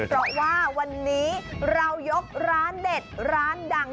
เพราะว่าวันนี้เรายกร้านเด็ดร้านดัง